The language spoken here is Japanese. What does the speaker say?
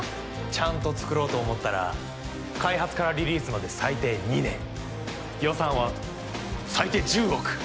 ちゃんと作ろうと思ったら開発からリリースまで最低２年予算は最低１０億